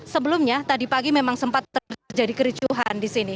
sebelumnya tadi pagi memang sempat terjadi kericuhan di sini